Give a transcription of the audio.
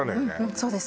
そうです